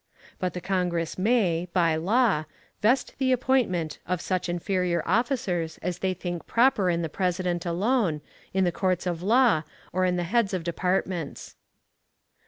But the Congress may, by law, vest the appointment of such inferior officers as they think proper in the President alone, in the courts of law, or in the heads of departments.